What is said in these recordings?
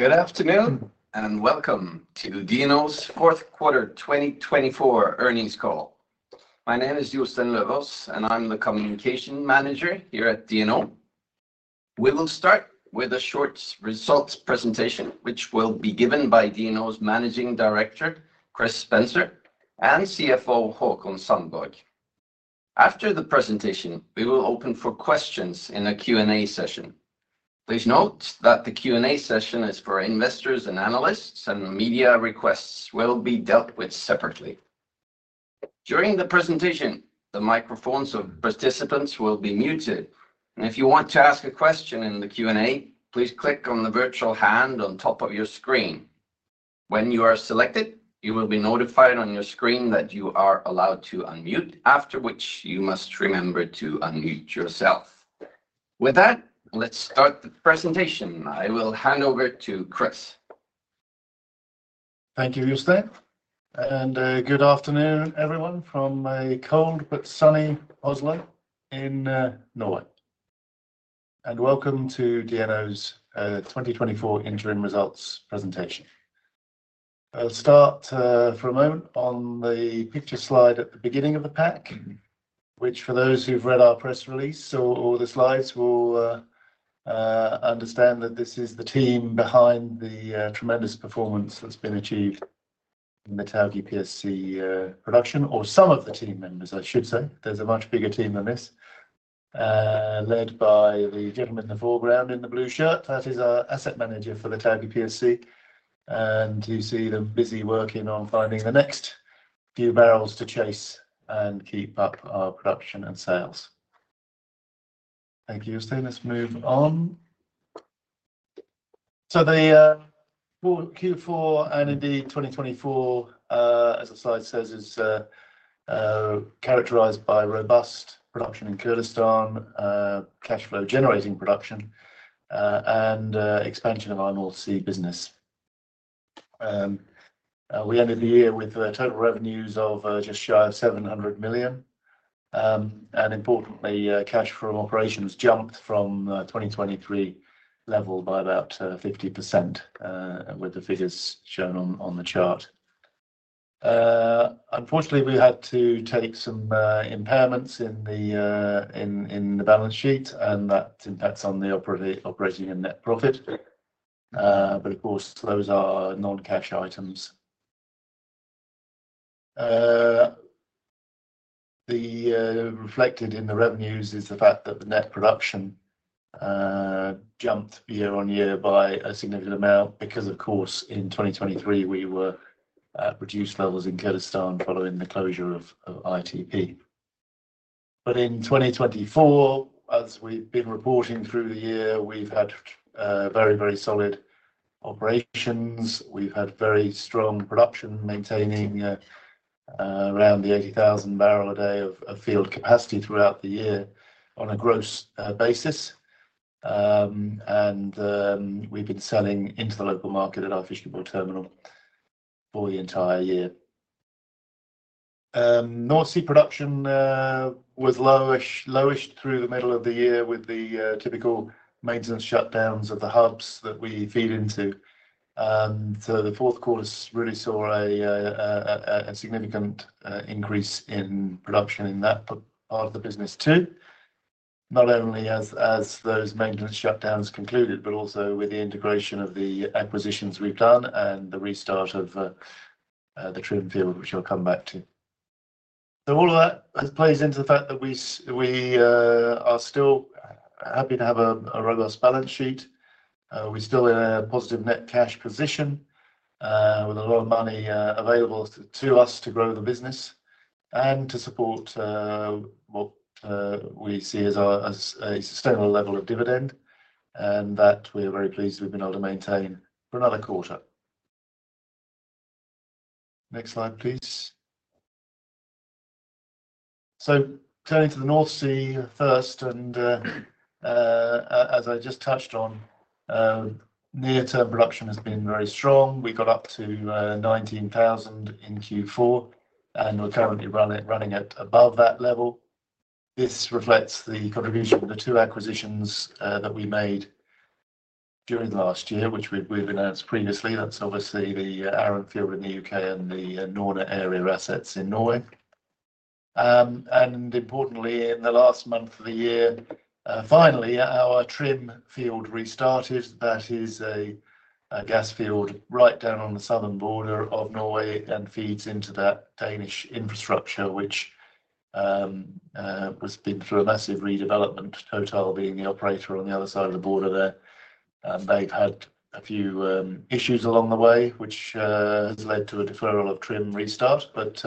Good afternoon and welcome to DNO's Q4 2024 earnings call. My name is Jostein Løvås, and I'm the communication manager here at DNO. We will start with a short results presentation, which will be given by DNO's Managing Director, Chris Spencer, and CFO Haakon Sandborg. After the presentation, we will open for questions in a Q&A session. Please note that the Q&A session is for investors and analysts, and media requests will be dealt with separately. During the presentation, the microphones of participants will be muted. If you want to ask a question in the Q&A, please click on the virtual hand on top of your screen. When you are selected, you will be notified on your screen that you are allowed to unmute, after which you must remember to unmute yourself. With that, let's start the presentation. I will hand over to Chris. Thank you, Jostein. Good afternoon, everyone, from a cold but sunny Oslo in Norway. Welcome to DNO's 2024 interim results presentation. I'll start for a moment on the picture slide at the beginning of the pack, which, for those who've read our press release or the slides, will understand that this is the team behind the tremendous performance that's been achieved in the Tawke PSC production, or some of the team members, I should say. There's a much bigger team than this, led by the gentleman in the foreground in the blue shirt. That is our asset manager for the Tawke PSC. And you see them busy working on finding the next few barrels to chase and keep up our production and sales. Thank you, Jostein. Let's move on. So the Q4 and indeed 2024, as the slide says, is characterized by robust production in Kurdistan, cash flow generating production, and expansion of our North Sea business. We ended the year with total revenues of just shy of $700 million. And importantly, cash flow operations jumped from a 2023 level by about 50%, with the figures shown on the chart. Unfortunately, we had to take some impairments in the balance sheet, and that impacts on the operating and net profit. But of course, those are non-cash items. That's reflected in the revenues is the fact that the net production jumped year on year by a significant amount because, of course, in 2023, we were at reduced levels in Kurdistan following the closure of ITP. But in 2024, as we've been reporting through the year, we've had very, very solid operations. We've had very strong production maintaining around the 80,000 barrel a day of field capacity throughout the year on a gross basis, and we've been selling into the local market at our fishing boat terminal for the entire year. North Sea production was lowish through the middle of the year with the typical maintenance shutdowns of the hubs that we feed into, so the Q4 really saw a significant increase in production in that part of the business too, not only as those maintenance shutdowns concluded, but also with the integration of the acquisitions we've done and the restart of the Trym field, which I'll come back to, so all of that plays into the fact that we are still happy to have a robust balance sheet. We're still in a positive net cash position with a lot of money available to us to grow the business and to support what we see as a sustainable level of dividend, and that we're very pleased we've been able to maintain for another quarter. Next slide, please. So turning to the North Sea first, and as I just touched on, near-term production has been very strong. We got up to 19,000 in Q4, and we're currently running at above that level. This reflects the contribution of the two acquisitions that we made during the last year, which we've announced previously. That's obviously the Arran field in the U.K. and the Norne area assets in Norway. And importantly, in the last month of the year, finally, our Trym field restarted. That is a gas field right down on the southern border of Norway and feeds into that Danish infrastructure, which has been through a massive redevelopment, Total being the operator on the other side of the border there. They've had a few issues along the way, which has led to a deferral of Trym restart. But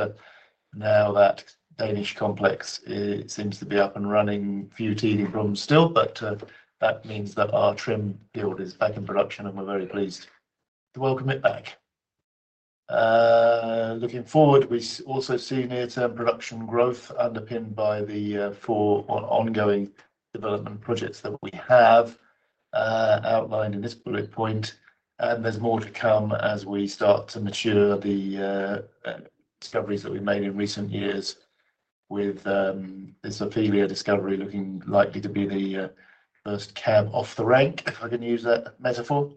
now that Danish complex seems to be up and running, few teething problems still, but that means that our Trym field is back in production, and we're very pleased to welcome it back. Looking forward, we also see near-term production growth underpinned by the four ongoing development projects that we have outlined in this bullet point. And there's more to come as we start to mature the discoveries that we've made in recent years with this Ofelia discovery looking likely to be the first cab off the rank, if I can use that metaphor.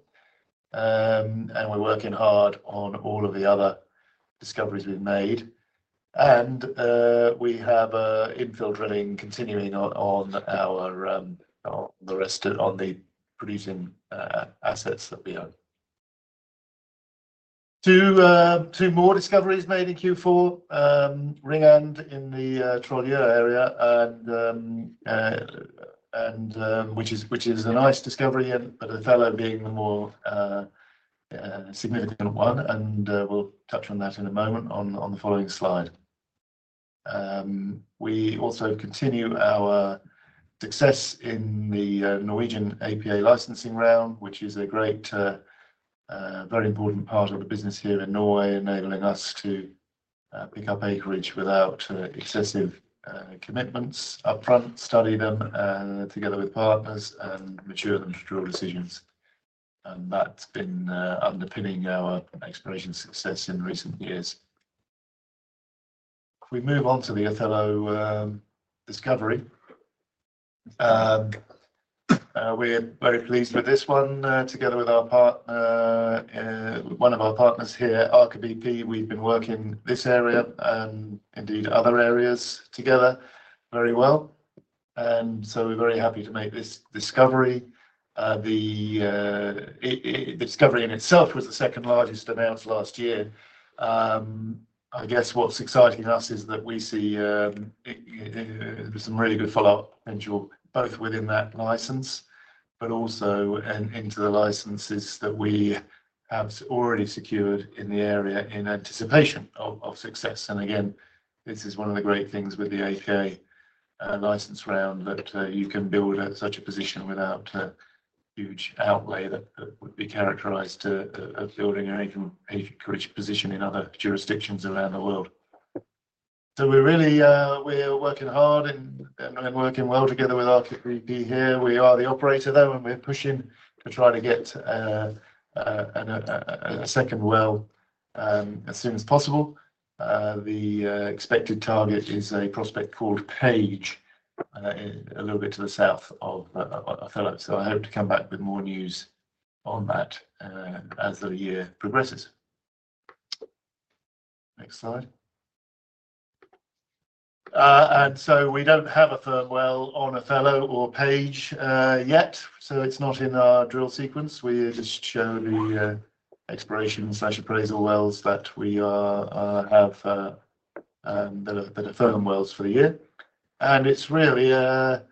We're working hard on all of the other discoveries we've made. We have infill drilling continuing on the rest of the producing assets that we own. Two more discoveries made in Q4, Ringhorne in the Troll area, which is a nice discovery, but the following being the more significant one. We'll touch on that in a moment on the following slide. We also continue our success in the Norwegian APA licensing round, which is a great, very important part of the business here in Norway, enabling us to pick up acreage without excessive commitments up front, study them together with partners, and mature them to drill decisions. That's been underpinning our exploration success in recent years. If we move on to the Othello discovery, we're very pleased with this one together with one of our partners here, Aker BP. We've been working this area and indeed other areas together very well, and so we're very happy to make this discovery. The discovery in itself was the second largest announced last year. I guess what's exciting us is that we see some really good follow-up potential both within that license, but also into the licenses that we have already secured in the area in anticipation of success, and again, this is one of the great things with the APA license round that you can build at such a position without a huge outlay that would be characterized as building an acreage position in other jurisdictions around the world, so we're working hard and working well together with Aker BP here. We are the operator, though, and we're pushing to try to get a second well as soon as possible. The expected target is a prospect called Page, a little bit to the south of Ofelia, so I hope to come back with more news on that as the year progresses. Next slide, and so we don't have a firm well on Ofelia or Page yet, so it's not in our drill sequence. We just show the exploration/appraisal wells that we have that are firm wells for the year, and it's really a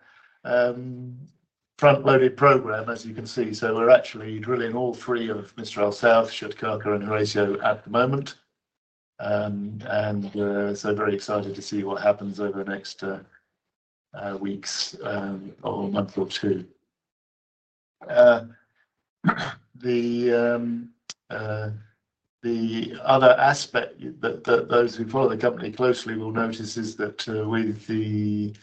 front-loaded program, as you can see, so we're actually drilling all three of Mistral South, Sjark, and Horatio at the moment, and so very excited to see what happens over the next weeks or month or two. The other aspect that those who follow the company closely will notice is that with the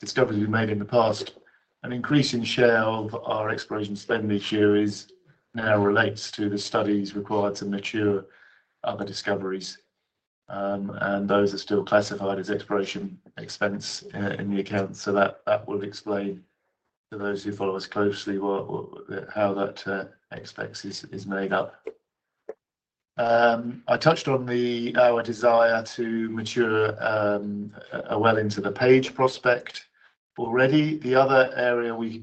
discoveries we've made in the past, an increasing share of our exploration spend this year now relates to the studies required to mature other discoveries. And those are still classified as exploration expense in the account. So that will explain to those who follow us closely how that expense is made up. I touched on our desire to mature a well into the Page prospect already. The other area we're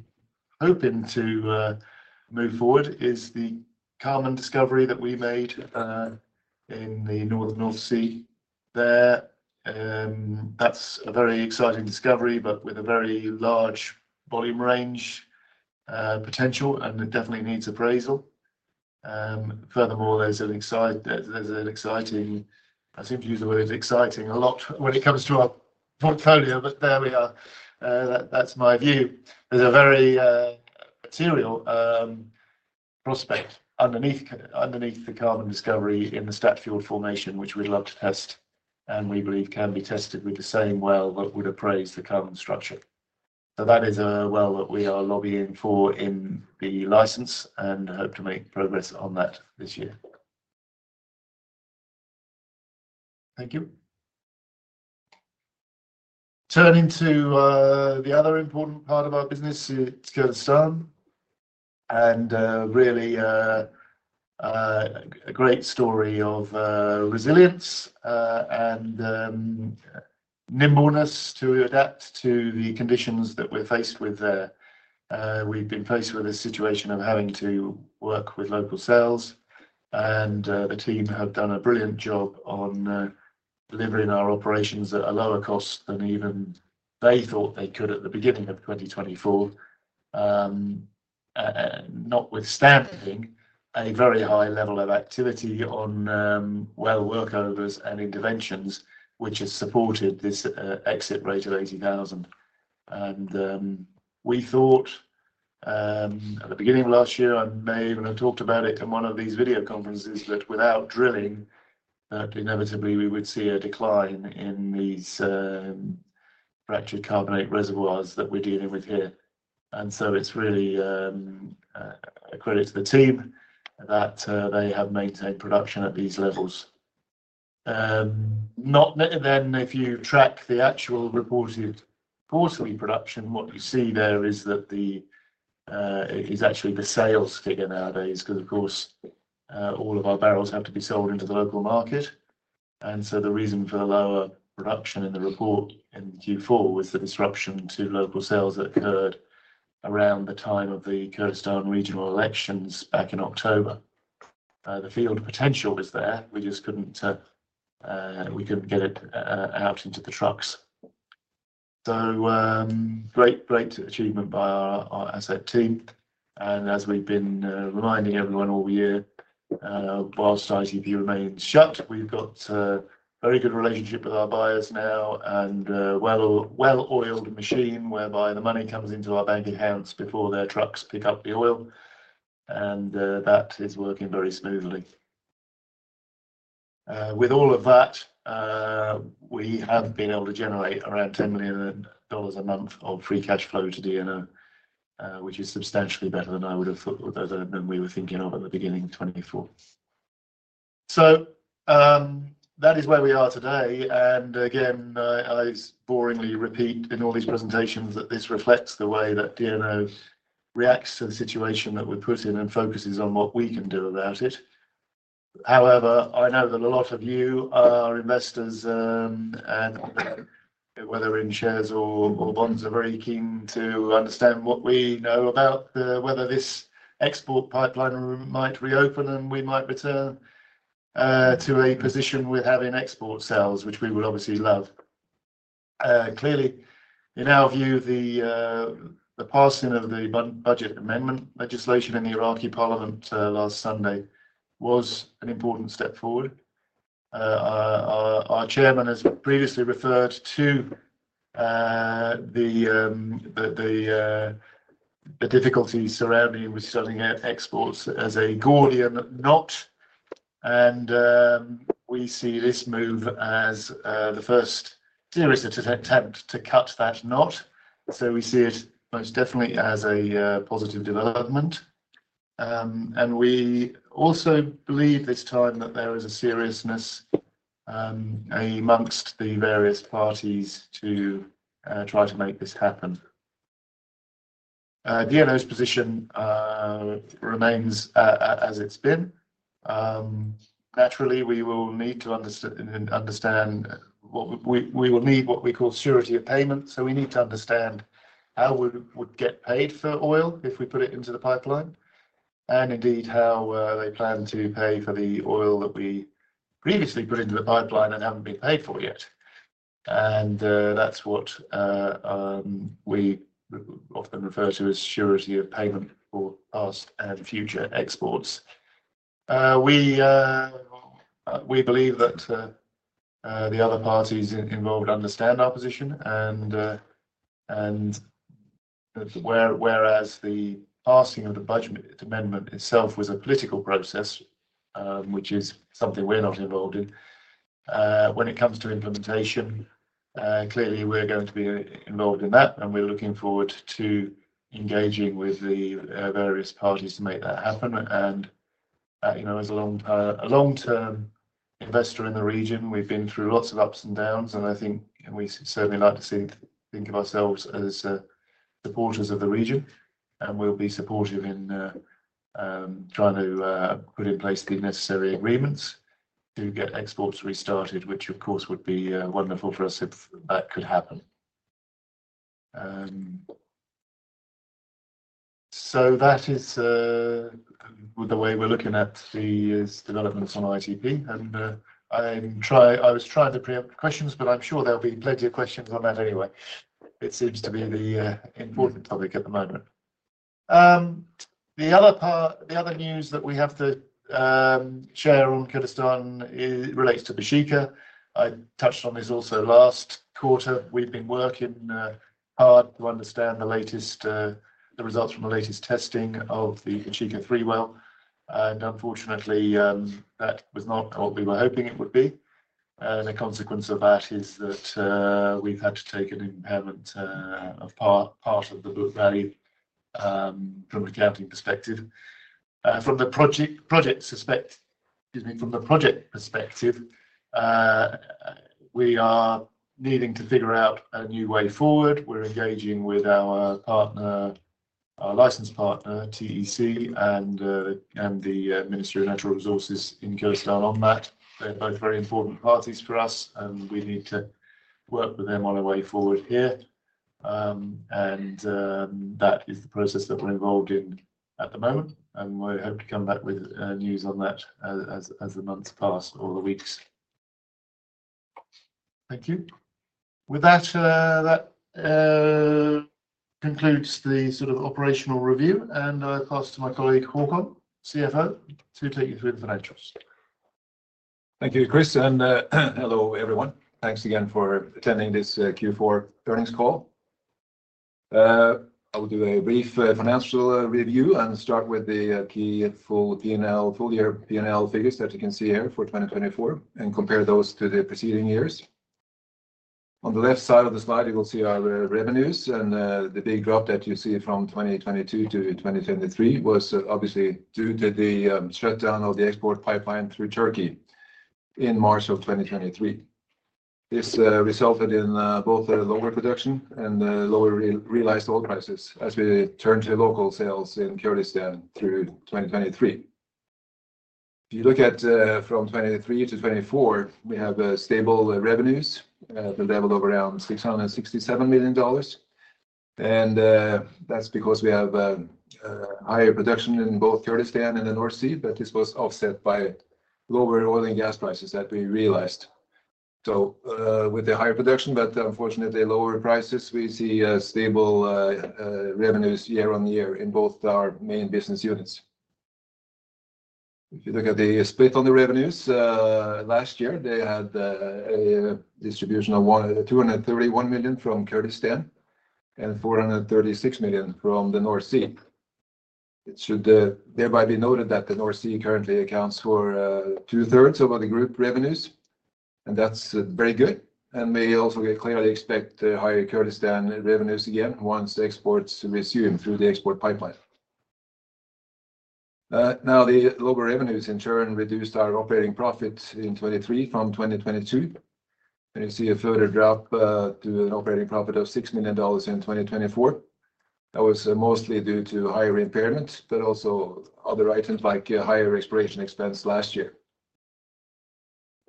hoping to move forward is the Carmen discovery that we made in the northern North Sea there. That's a very exciting discovery, but with a very large volume range potential, and it definitely needs appraisal. Furthermore, there's an exciting - I seem to use the word exciting a lot when it comes to our portfolio, but there we are. That's my view. There's a very material prospect underneath the Carmen discovery in the Statfjord formation, which we'd love to test and we believe can be tested with the same well that would appraise the Carmen structure. So that is a well that we are lobbying for in the license and hope to make progress on that this year. Thank you. Turning to the other important part of our business, it's Kurdistan and really a great story of resilience and nimbleness to adapt to the conditions that we're faced with there. We've been faced with a situation of having to work with local sales, and the team have done a brilliant job on delivering our operations at a lower cost than even they thought they could at the beginning of 2024, notwithstanding a very high level of activity on well workovers and interventions, which has supported this exit rate of 80,000. We thought at the beginning of last year, I may even have talked about it in one of these video conferences, that without drilling, that inevitably we would see a decline in these fractured carbonate reservoirs that we're dealing with here. So it's really a credit to the team that they have maintained production at these levels. Not that then if you track the actual reported quarterly production, what you see there is that it is actually the sales figure nowadays, because of course, all of our barrels have to be sold into the local market. So the reason for the lower production in the report in Q4 was the disruption to local sales that occurred around the time of the Kurdistan regional elections back in October. The field potential is there. We just couldn't get it out into the trucks. Great achievement by our asset team. And as we've been reminding everyone all year, while ITP remains shut, we've got a very good relationship with our buyers now and a well-oiled machine whereby the money comes into our bank accounts before their trucks pick up the oil. And that is working very smoothly. With all of that, we have been able to generate around $10 million a month of free cash flow to DNO, which is substantially better than we were thinking of at the beginning of 2024. That is where we are today. And again, I boringly repeat in all these presentations that this reflects the way that DNO reacts to the situation that we're put in and focuses on what we can do about it. However, I know that a lot of you, our investors, whether in shares or bonds, are very keen to understand what we know about whether this export pipeline might reopen and we might return to a position with having export sales, which we would obviously love. Clearly, in our view, the passing of the budget amendment legislation in the Iraqi parliament last Sunday was an important step forward. Our chairman has previously referred to the difficulties surrounding with selling exports as a Gordian knot. And we see this move as the first serious attempt to cut that knot. So we see it most definitely as a positive development. And we also believe this time that there is a seriousness amongst the various parties to try to make this happen. DNO's position remains as it's been. Naturally, we will need to understand what we will need, what we call surety of payment. So we need to understand how we would get paid for oil if we put it into the pipeline, and indeed how they plan to pay for the oil that we previously put into the pipeline and haven't been paid for yet. And that's what we often refer to as surety of payment for past and future exports. We believe that the other parties involved understand our position. And whereas the passing of the budget amendment itself was a political process, which is something we're not involved in, when it comes to implementation, clearly we're going to be involved in that. And we're looking forward to engaging with the various parties to make that happen. And as a long-term investor in the region, we've been through lots of ups and downs. And I think we certainly like to think of ourselves as supporters of the region. And we'll be supportive in trying to put in place the necessary agreements to get exports restarted, which of course would be wonderful for us if that could happen. So that is the way we're looking at the developments on ITP. And I was trying to preempt questions, but I'm sure there'll be plenty of questions on that anyway. It seems to be the important topic at the moment. The other news that we have to share on Kurdistan relates to Baeshiqa. I touched on this also last quarter. We've been working hard to understand the results from the latest testing of the Baeshiqa-3 well. And unfortunately, that was not what we were hoping it would be. A consequence of that is that we've had to take an impairment of part of the book value from an accounting perspective. From the project perspective, excuse me, from the project perspective, we are needing to figure out a new way forward. We're engaging with our license partner, TEC, and the Ministry of Natural Resources in Kurdistan on that. They're both very important parties for us. And we need to work with them on a way forward here. And that is the process that we're involved in at the moment. And we hope to come back with news on that as the months pass or the weeks. Thank you. With that, that concludes the sort of operational review. And I'll pass to my colleague Haakon, CFO, to take you through the financials. Thank you, Chris. And hello, everyone. Thanks again for attending this Q4 earnings call. I'll do a brief financial review and start with the key full year P&L figures that you can see here for 2024 and compare those to the preceding years. On the left side of the slide, you will see our revenues, and the big drop that you see from 2022 to 2023 was obviously due to the shutdown of the export pipeline through Turkey in March of 2023. This resulted in both lower production and lower realized oil prices as we turned to local sales in Kurdistan through 2023. If you look at from 2023 to 2024, we have stable revenues at the level of around $667 million, and that's because we have higher production in both Kurdistan and the North Sea, but this was offset by lower oil and gas prices that we realized. With the higher production, but unfortunately lower prices, we see stable revenues year on year in both our main business units. If you look at the split on the revenues, last year, they had a distribution of $231 million from Kurdistan and $436 million from the North Sea. It should thereby be noted that the North Sea currently accounts for two-thirds of the group revenues. That's very good. We also clearly expect higher Kurdistan revenues again once exports resume through the export pipeline. Now, the lower revenues, in turn, reduced our operating profit in 2023 from 2022. You see a further drop to an operating profit of $6 million in 2024. That was mostly due to higher impairments, but also other items like higher exploration expense last year.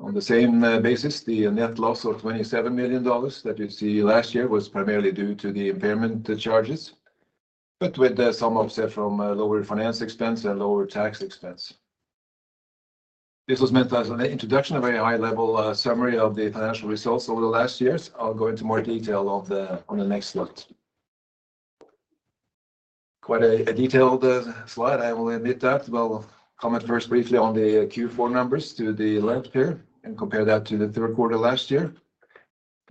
On the same basis, the net loss of $27 million that you see last year was primarily due to the impairment charges, but with some offset from lower finance expense and lower tax expense. This was meant as an introduction, a very high-level summary of the financial results over the last years. I'll go into more detail on the next slide. Quite a detailed slide, I will admit that. I'll comment first briefly on the Q4 numbers to the left here and compare that to the Q3 last year.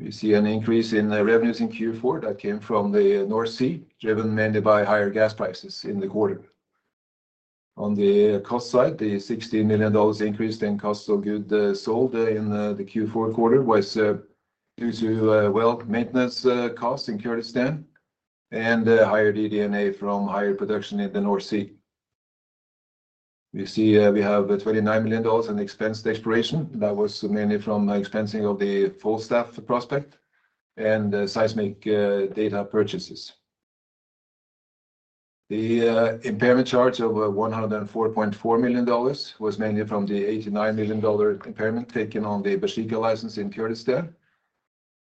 You see an increase in revenues in Q4 that came from the North Sea driven mainly by higher gas prices in the quarter. On the cost side, the $16 million increase in cost of goods sold in the Q4 quarter was due to well maintenance costs in Kurdistan and higher DD&A from higher production in the North Sea. You see we have $29 million in expensed exploration. That was mainly from expensing of the Falstaff prospect and seismic data purchases. The impairment charge of $104.4 million was mainly from the $89 million impairment taken on the Baeshiqa license in Kurdistan.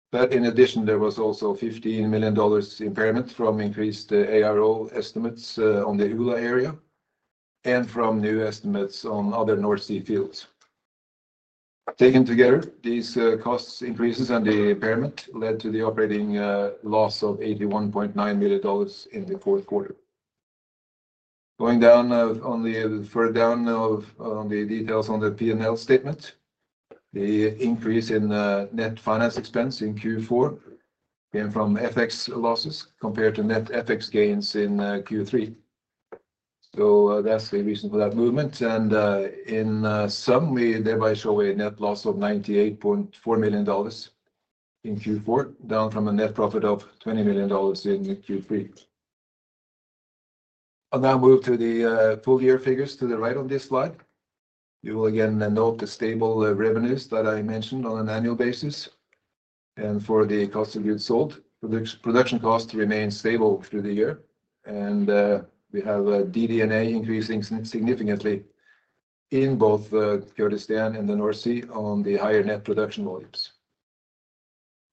But in addition, there was also $15 million impairment from increased ARO estimates on the Ula area and from new estimates on other North Sea fields. Taken together, these cost increases and the impairment led to the operating loss of $81.9 million in the Q4. Going further down on the details on the P&L statement, the increase in net finance expense in Q4 came from FX losses compared to net FX gains in Q3. So that's the reason for that movement. In sum, we thereby show a net loss of $98.4 million in Q4, down from a net profit of $20 million in Q3. I'll now move to the full year figures to the right on this slide. You will again note the stable revenues that I mentioned on an annual basis. For the cost of goods sold, production costs remained stable through the year. We have DD&A increasing significantly in both Kurdistan and the North Sea on the higher net production volumes.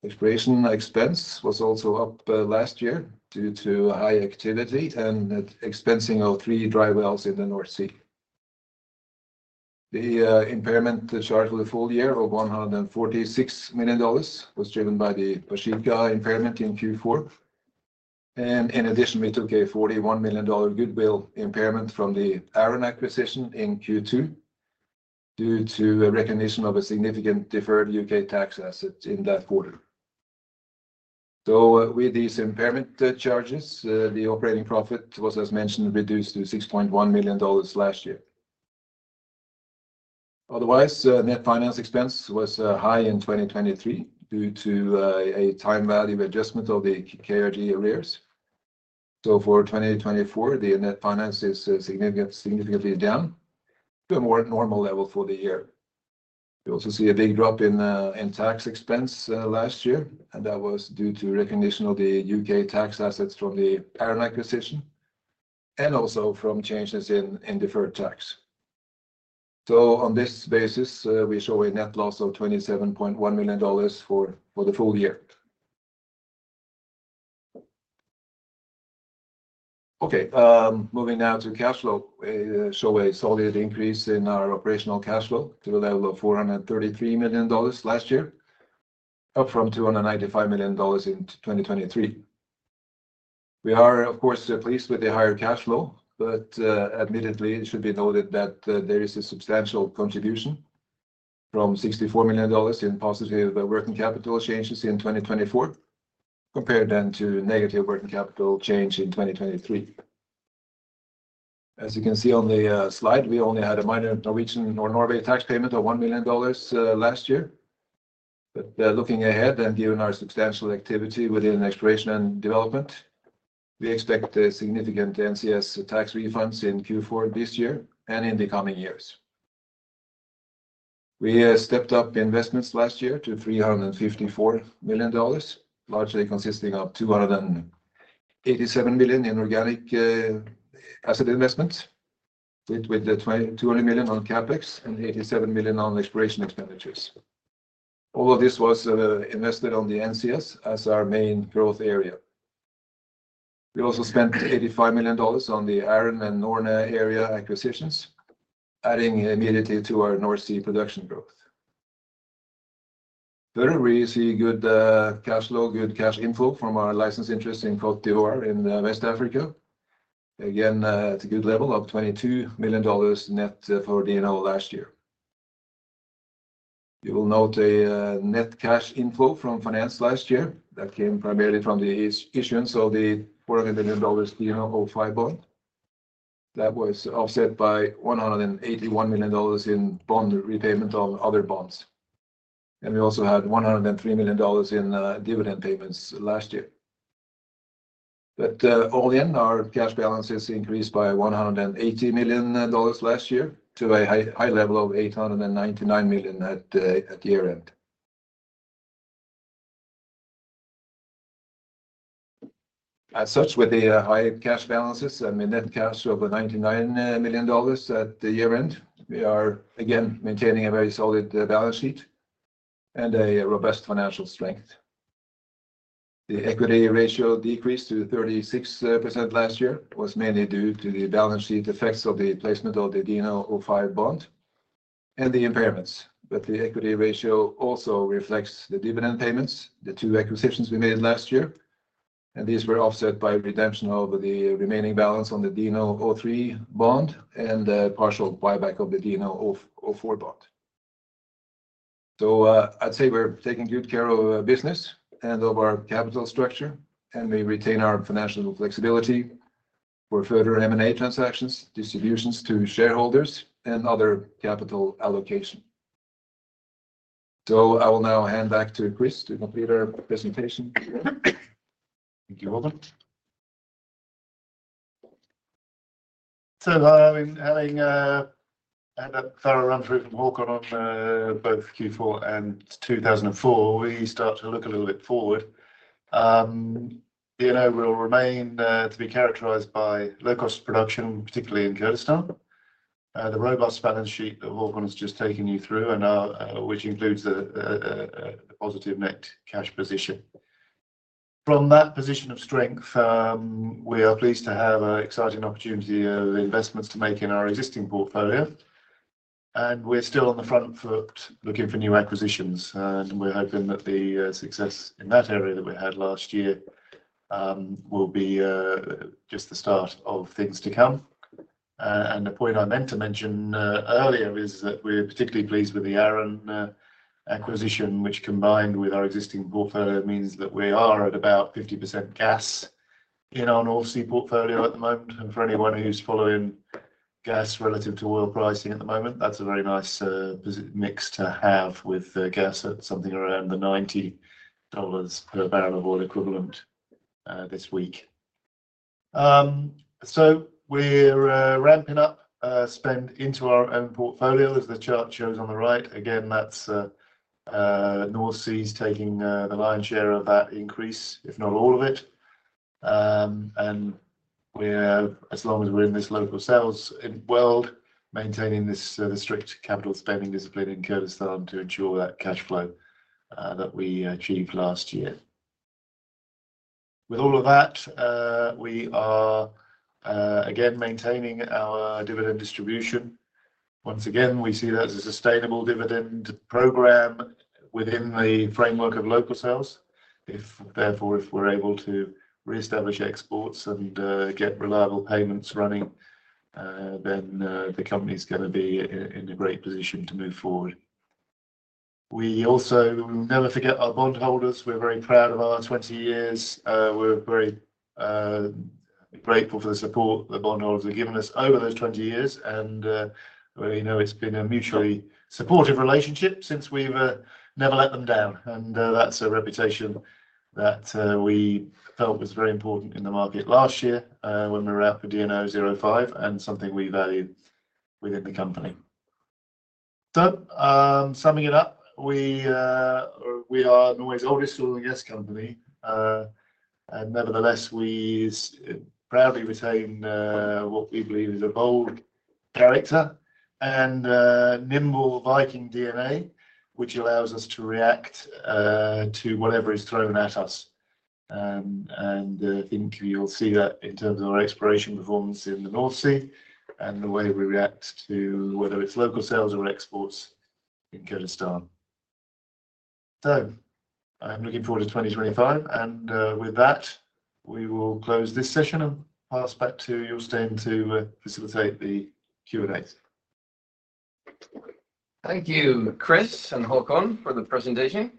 Exploration expense was also up last year due to high activity and expensing of three dry wells in the North Sea. The impairment charge for the full year of $146 million was driven by the Baeshiqa impairment in Q4. And in addition, we took a $41 million goodwill impairment from the Arran acquisition in Q2 due to recognition of a significant deferred U.K. tax asset in that quarter. So with these impairment charges, the operating profit was, as mentioned, reduced to $6.1 million last year. Otherwise, net finance expense was high in 2023 due to a time value adjustment of the KRG arrears. So for 2024, the net finance is significantly down to a more normal level for the year. We also see a big drop in tax expense last year. And that was due to recognition of the U.K. tax assets from the Arran acquisition and also from changes in deferred tax. So on this basis, we show a net loss of $27.1 million for the full year. Okay, moving now to cash flow, we show a solid increase in our operational cash flow to the level of $433 million last year, up from $295 million in 2023. We are, of course, pleased with the higher cash flow, but admittedly, it should be noted that there is a substantial contribution from $64 million in positive working capital changes in 2024 compared then to negative working capital change in 2023. As you can see on the slide, we only had a minor Norwegian or Norway tax payment of $1 million last year, but looking ahead and given our substantial activity within exploration and development, we expect significant NCS tax refunds in Q4 this year and in the coming years. We stepped up investments last year to $354 million, largely consisting of $287 million in organic asset investments, with $200 million on CapEx and $87 million on exploration expenditures. All of this was invested on the NCS as our main growth area. We also spent $85 million on the Arran and Norne area acquisitions, adding immediately to our North Sea production growth. Further, we see good cash flow, good cash inflow from our licensed interest in Côte d'Ivoire in West Africa. Again, at a good level of $22 million net for DNO last year. You will note a net cash inflow from finance last year that came primarily from the issuance of the $400 million DNO05 bond. That was offset by $181 million in bond repayment on other bonds. And we also had $103 million in dividend payments last year. But all in, our cash balances increased by $180 million last year to a high level of $899 million at year-end. As such, with the high cash balances and the net cash of $99 million at year-end, we are again maintaining a very solid balance sheet and a robust financial strength. The equity ratio decreased to 36% last year, was mainly due to the balance sheet effects of the placement of the DNO05 bond and the impairments, but the equity ratio also reflects the dividend payments, the two acquisitions we made last year, and these were offset by redemption of the remaining balance on the DNO03 bond and partial buyback of the DNO04 bond, so I'd say we're taking good care of business and of our capital structure, and we retain our financial flexibility for further M&A transactions, distributions to shareholders, and other capital allocation, so I will now hand back to Chris to complete our presentation. Thank you, Haakon. Having had a thorough run-through from Haakon on both Q4 and 2023, we start to look a little bit forward. DNO will remain to be characterized by low-cost production, particularly in Kurdistan. The robust balance sheet that Haakon has just taken you through, and which includes a positive net cash position. From that position of strength, we are pleased to have an exciting opportunity of investments to make in our existing portfolio. We're still on the front foot looking for new acquisitions. We're hoping that the success in that area that we had last year will be just the start of things to come. A point I meant to mention earlier is that we're particularly pleased with the Arran acquisition, which combined with our existing portfolio means that we are at about 50% gas in our North Sea portfolio at the moment. And for anyone who's following gas relative to oil pricing at the moment, that's a very nice mix to have with gas at something around the $90 per barrel of oil equivalent this week. So we're ramping up spend into our own portfolio, as the chart shows on the right. Again, that's North Sea taking the lion's share of that increase, if not all of it. And as long as we're in this local sales world, maintaining the strict capital spending discipline in Kurdistan to ensure that cash flow that we achieved last year. With all of that, we are again maintaining our dividend distribution. Once again, we see that as a sustainable dividend program within the framework of local sales. If therefore, if we're able to reestablish exports and get reliable payments running, then the company is going to be in a great position to move forward. We also never forget our bondholders. We're very proud of our 20 years. We're very grateful for the support the bondholders have given us over those 20 years. And we know it's been a mutually supportive relationship since we've never let them down. And that's a reputation that we felt was very important in the market last year when we were out for DNO 05 and something we value within the company. So summing it up, we are Norway's oldest oil and gas company. And nevertheless, we proudly retain what we believe is a bold character and nimble Viking DNA, which allows us to react to whatever is thrown at us. And I think you'll see that in terms of our exploration performance in the North Sea and the way we react to whether it's local sales or exports in Kurdistan. So I'm looking forward to 2025. And with that, we will close this session and pass back to Jostein to facilitate the Q&A. Thank you, Chris and Haakon, for the presentation.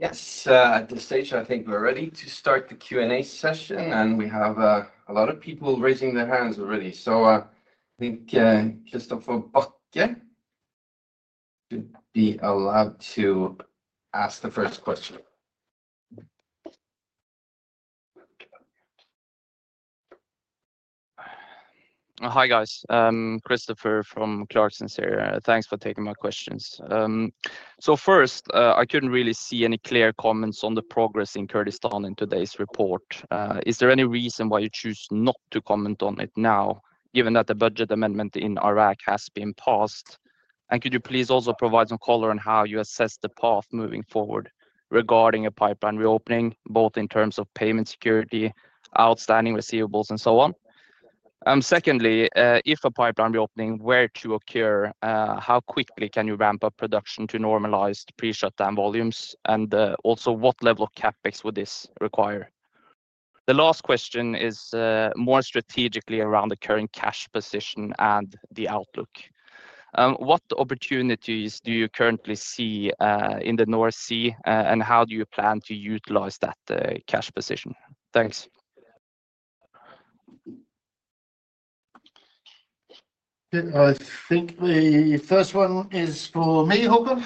Yes, at this stage, I think we're ready to start the Q&A session. And we have a lot of people raising their hands already. So I think Christoffer Bachke should be allowed to ask the first question. Hi guys, Christoffer from Clarksons here. Thanks for taking my questions. So first, I couldn't really see any clear comments on the progress in Kurdistan in today's report. Is there any reason why you choose not to comment on it now, given that the budget amendment in Iraq has been passed? And could you please also provide some color on how you assess the path moving forward regarding a pipeline reopening, both in terms of payment security, outstanding receivables, and so on? Secondly, if a pipeline reopening were to occur, how quickly can you ramp up production to normalized pre-shutdown volumes? And also, what level of CapEx would this require? The last question is more strategically around the current cash position and the outlook. What opportunities do you currently see in the North Sea? And how do you plan to utilize that cash position? Thanks. I think the first one is for me, Haakon.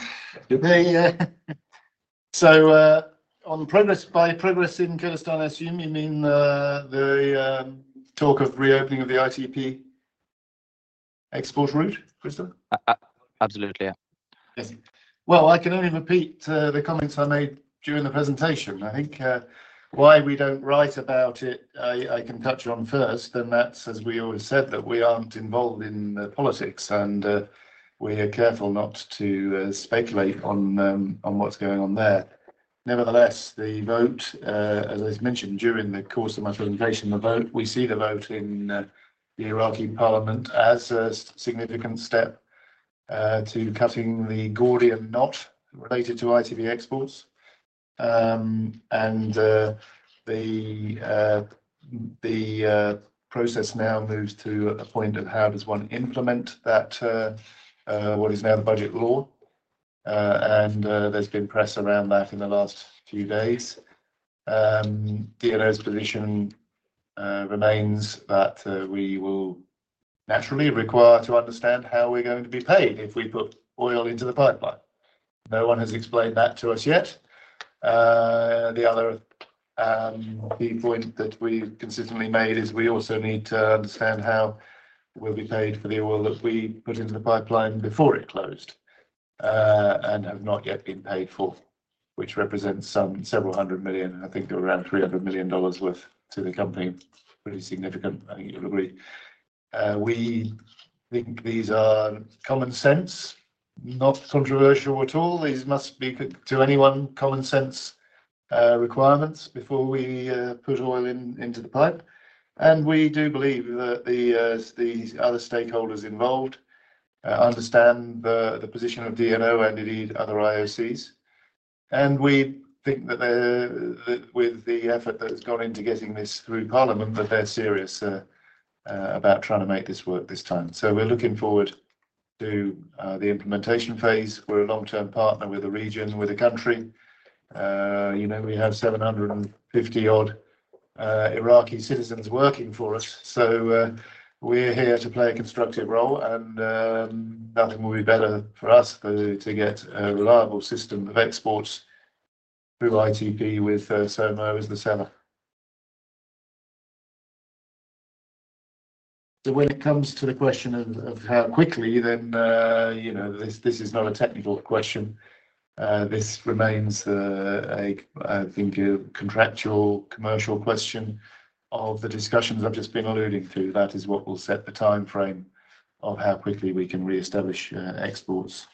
So by progress in Kurdistan, I assume you mean the talk of reopening of the ITP export route, Christopher? Absolutely. Well, I can only repeat the comments I made during the presentation. I think why we don't write about it, I can touch on first. And that's, as we always said, that we aren't involved in the politics. And we are careful not to speculate on what's going on there. Nevertheless, the vote, as I mentioned during the course of my presentation, we see the vote in the Iraqi Parliament as a significant step to cutting the Gordian knot related to ITP exports. And the process now moves to a point of how does one implement what is now the budget law. And there's been press around that in the last few days. DNO's position remains that we will naturally require to understand how we're going to be paid if we put oil into the pipeline. No one has explained that to us yet. The other key point that we consistently made is we also need to understand how we'll be paid for the oil that we put into the pipeline before it closed and have not yet been paid for, which represents several hundred million. I think around $300 million worth to the company, pretty significant, I think you'll agree. We think these are common sense, not controversial at all. These must be to anyone common sense requirements before we put oil into the pipe, and we do believe that the other stakeholders involved understand the position of DNO and indeed other IOCs. We think that with the effort that has gone into getting this through Parliament, that they're serious about trying to make this work this time, so we're looking forward to the implementation phase. We're a long-term partner with a region, with a country. We have 750-odd Iraqi citizens working for us, so we're here to play a constructive role. Nothing will be better for us to get a reliable system of exports through ITP with SOMO as the seller. So when it comes to the question of how quickly, then this is not a technical question. This remains, I think, a contractual commercial question of the discussions I've just been alluding to. That is what will set the timeframe of how quickly we can reestablish exports.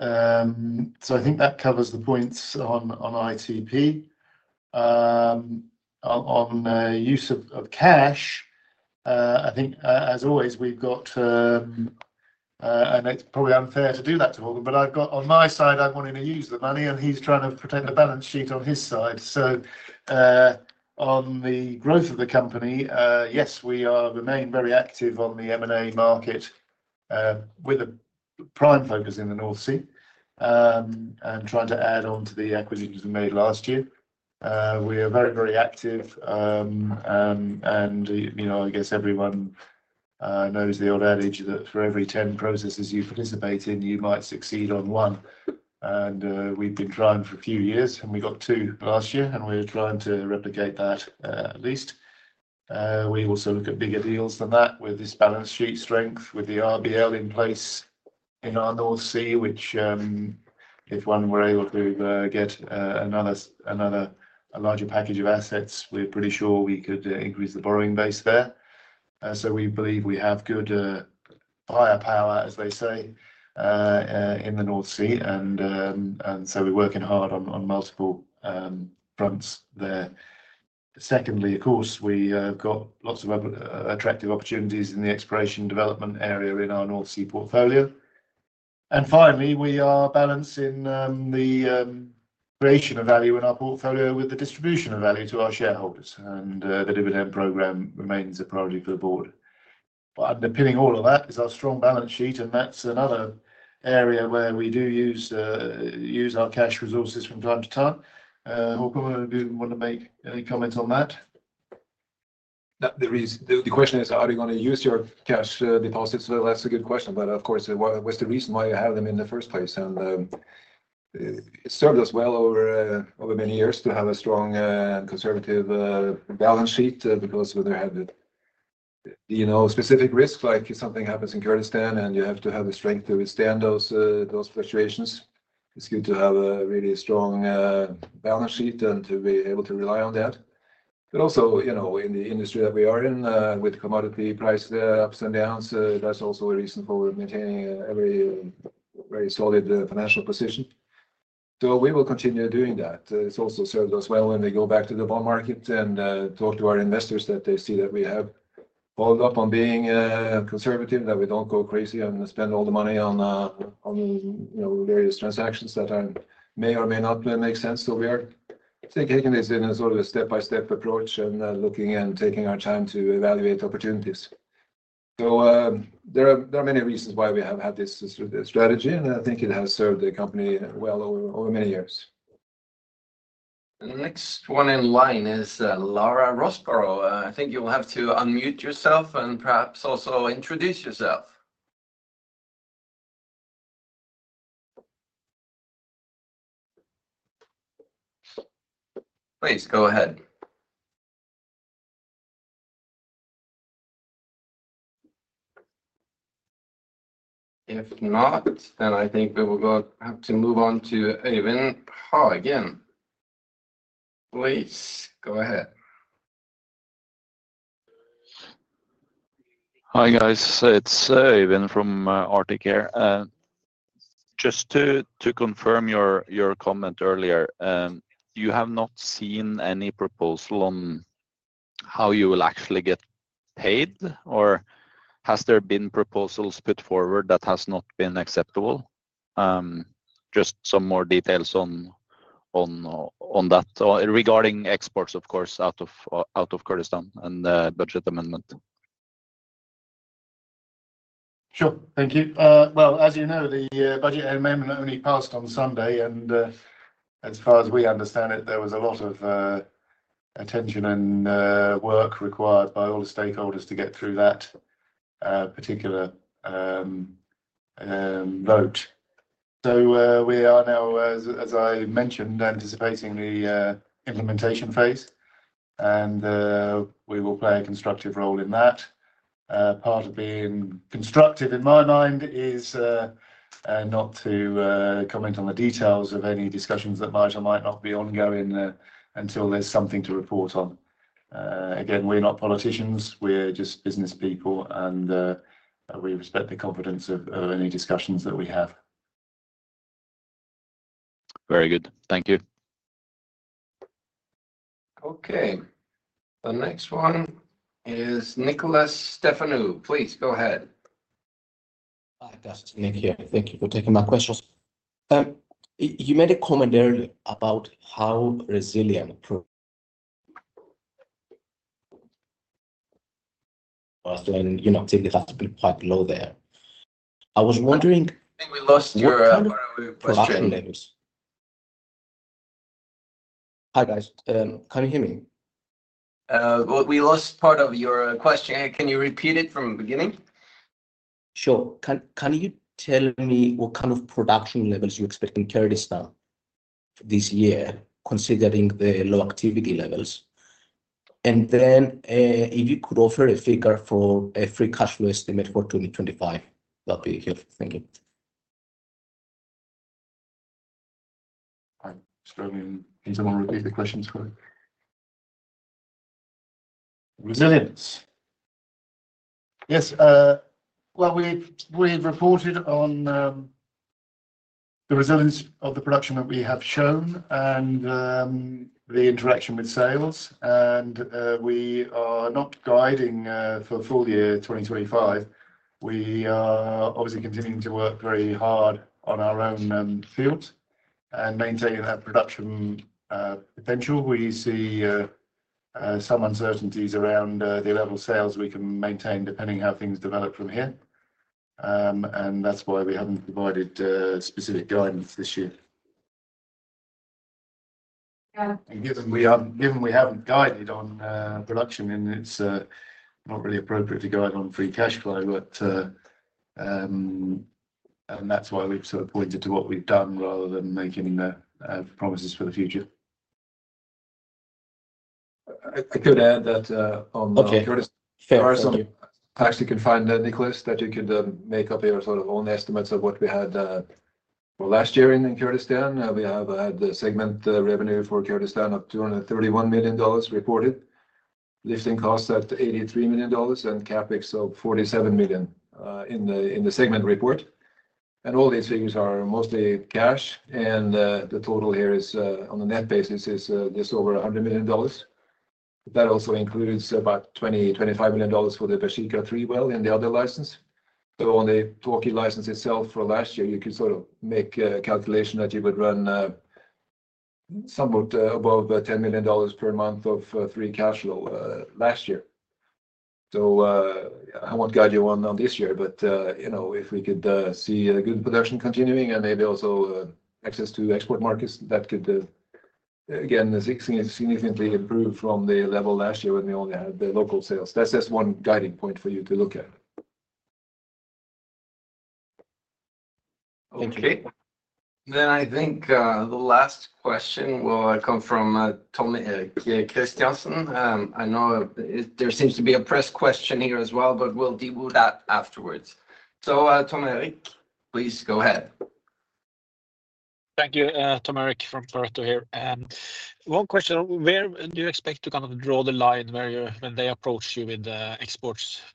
So I think that covers the points on ITP. On use of cash, I think, as always, we've got and it's probably unfair to do that to Haakon, but on my side, I'm wanting to use the money. And he's trying to protect the balance sheet on his side. So on the growth of the company, yes, we remain very active on the M&A market with a prime focus in the North Sea and trying to add on to the acquisitions we made last year. We are very, very active. I guess everyone knows the old adage that for every 10 processes you participate in, you might succeed on one. We've been trying for a few years. We got two last year. We're trying to replicate that at least. We also look at bigger deals than that with this balance sheet strength, with the RBL in place in our North Sea, which if one were able to get a larger package of assets, we're pretty sure we could increase the borrowing base there. We believe we have good buyer power, as they say, in the North Sea. We're working hard on multiple fronts there. Secondly, of course, we have got lots of attractive opportunities in the exploration development area in our North Sea portfolio. Finally, we are balancing the creation of value in our portfolio with the distribution of value to our shareholders. The dividend program remains a priority for the board. Underpinning all of that is our strong balance sheet. That's another area where we do use our cash resources from time to time. Haakon, do you want to make any comment on that? The question is, are you going to use your cash deposits? That's a good question. Of course, what's the reason why you have them in the first place? And it served us well over many years to have a strong and conservative balance sheet because whether you know specific risks, like if something happens in Kurdistan and you have to have the strength to withstand those fluctuations, it's good to have a really strong balance sheet and to be able to rely on that. But also, in the industry that we are in, with commodity price ups and downs, that's also a reason for maintaining a very solid financial position. So we will continue doing that. It's also served us well when we go back to the bond market and talk to our investors that they see that we have followed up on being conservative, that we don't go crazy and spend all the money on various transactions that may or may not make sense. We are taking this in a sort of a step-by-step approach and looking and taking our time to evaluate opportunities. There are many reasons why we have had this strategy. I think it has served the company well over many years. I think we will have to move on to Øyvind Øyvind Hagen. Please go ahead. Hi guys. It's Øyvind from Arctic here. Just to confirm your comment earlier, you have not seen any proposal on how you will actually get paid? Or has there been proposals put forward that have not been acceptable? Just some more details on that regarding exports, of course, out of Kurdistan and the budget amendment. Sure. Thank you. As you know, the budget amendment only passed on Sunday. As far as we understand it, there was a lot of attention and work required by all the stakeholders to get through that particular vote. We are now, as I mentioned, anticipating the implementation phase. We will play a constructive role in that. Part of being constructive in my mind is not to comment on the details of any discussions that might or might not be ongoing until there's something to report on. Again, we're not politicians. We're just business people. We respect the confidence of any discussions that we have. Very good. Thank you. Okay. The next one is Nikolas Stefanou. Please go ahead. Hi, Dr. Stefanou here. Thank you for taking my questions. You made a comment earlier about how resilient you know I think that's quite low there. I was wondering. I think we lost your question. Hi guys. Can you hear me? We lost part of your question. Can you repeat it from the beginning? Sure. Can you tell me what kind of production levels you expect in Kurdistan this year, considering the low activity levels? And then if you could offer a figure for a free cash flow estimate for 2025, that'd be helpful. Thank you. I'm struggling. Can someone repeat the question? Resilience. Yes. Well, we've reported on the resilience of the production that we have shown and the interaction with sales. And we are not guiding for full year 2025. We are obviously continuing to work very hard on our own fields and maintaining our production potential. We see some uncertainties around the level of sales we can maintain depending on how things develop from here. And that's why we haven't provided specific guidance this year. Given we haven't guided on production, and it's not really appropriate to guide on free cash flow, and that's why we've sort of pointed to what we've done rather than making promises for the future. I could add that on the Kurdistan I actually can find Nicholas that you could make up your sort of own estimates of what we had for last year in Kurdistan. We have had the segment revenue for Kurdistan of $231 million reported, lifting costs at $83 million and CapEx of $47 million in the segment report. And all these figures are mostly cash. And the total here is, on the net basis, just over $100 million. That also includes about $20-$25 million for the Baeshiqa-3 well and the other license. So on the Tawke license itself for last year, you could sort of make a calculation that you would run somewhat above $10 million per month of free cash flow last year. So I won't guide you on this year, but if we could see a good production continuing and maybe also access to export markets, that could, again, significantly improve from the level last year when we only had the local sales. That's just one guiding point for you to look at. Okay. Then I think the last question will come from Tom Erik Kristiansen. I know there seems to be a press question here as well, but we'll deal with that afterwards. So Tom Erik, please go ahead. Thank you. Tom Erik from Pareto here. One question. Where do you expect to kind of draw the line when they approach you with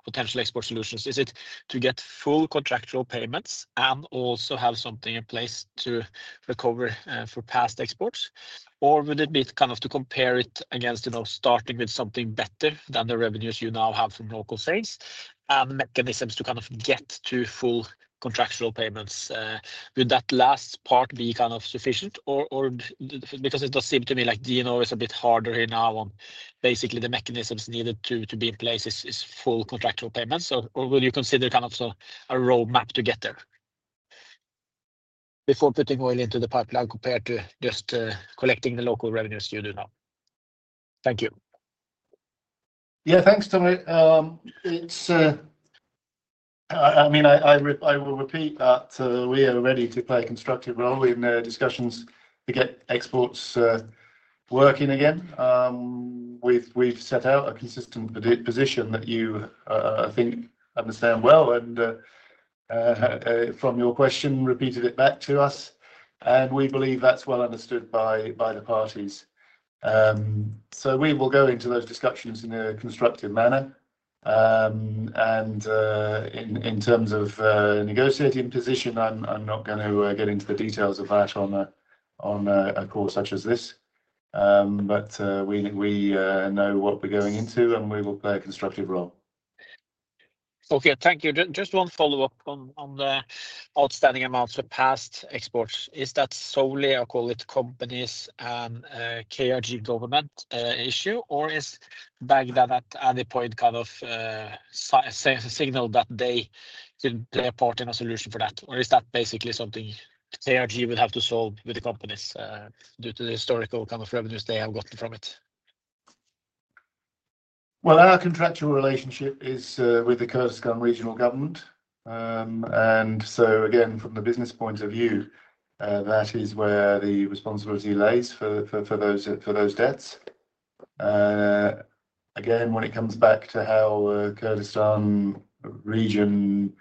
potential export solutions? Is it to get full contractual payments and also have something in place to recover for past exports? Or would it be kind of to compare it against starting with something better than the revenues you now have from local sales and mechanisms to kind of get to full contractual payments? Would that last part be kind of sufficient? Because it does seem to me like DNO is a bit harder here now on basically the mechanisms needed to be in place is full contractual payments. Or would you consider kind of a roadmap to get there before putting oil into the pipeline compared to just collecting the local revenues you do now? Thank you. Yeah, thanks, Tommy. I mean, I will repeat that we are ready to play a constructive role in discussions to get exports working again. We've set out a consistent position that you think understand well. And from your question, repeated it back to us. And we believe that's well understood by the parties. So we will go into those discussions in a constructive manner. And in terms of negotiating position, I'm not going to get into the details of that on a call such as this. But we know what we're going into, and we will play a constructive role. Okay. Thank you. Just one follow-up on the outstanding amounts of past exports. Is that solely, I'll call it, companies and KRG government issue? Or is Baghdad at any point kind of signaled that they could play a part in a solution for that? Or is that basically something KRG would have to solve with the companies due to the historical kind of revenues they have gotten from it? Well, our contractual relationship is with the Kurdistan Regional Government. And so again, from the business point of view, that is where the responsibility lies for those debts. Again, when it comes back to how Kurdistan Region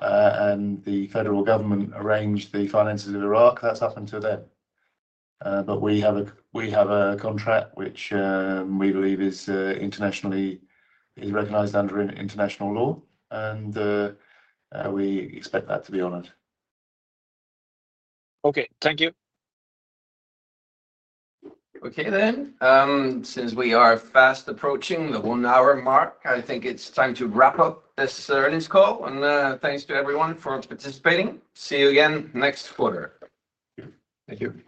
and the federal government arranged the finances of Iraq, that's up until then, but we have a contract which we believe is recognized under international law, and we expect that to be honored. Okay. Thank you. Okay then. Since we are fast approaching the one-hour mark, I think it's time to wrap up this earnings call, and thanks to everyone for participating. See you again next quarter. Thank you.